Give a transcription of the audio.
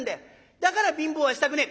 だから貧乏はしたくねえ」。